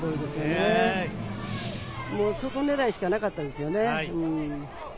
もう外狙いしかなかったですよね。